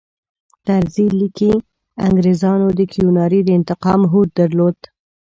طرزي لیکي انګریزانو د کیوناري د انتقام هوډ درلود.